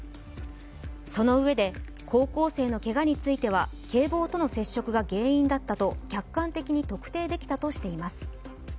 そのうえで、高校生のけがについては、警棒との接触が原因だったと客観的に特定できたとしています。